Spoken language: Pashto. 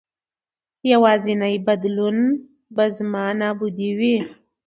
یوازېنی بدلون به زما نابودي وي.